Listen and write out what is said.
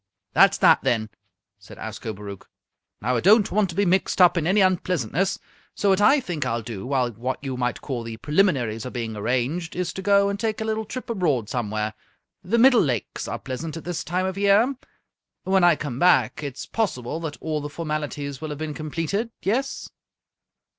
"That's that, then," said Ascobaruch. "Now, I don't want to be mixed up in any unpleasantness, so what I think I'll do while what you might call the preliminaries are being arranged is to go and take a little trip abroad somewhere. The Middle Lakes are pleasant at this time of year. When I come back, it's possible that all the formalities will have been completed, yes?"